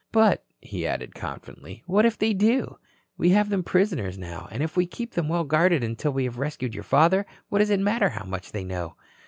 "But," he added, confidently, "what if they do? We have them prisoners now and if we keep them well guarded until we have rescued your father, what does it matter how much they know?"